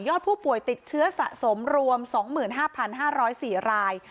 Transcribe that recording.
ผู้ป่วยติดเชื้อสะสมรวม๒๕๕๐๔ราย